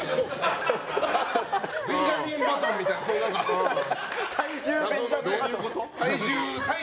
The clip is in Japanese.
「ベンジャミン・バトン」みたいな、そういう。